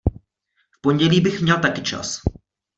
V pondělí bych měl taky čas.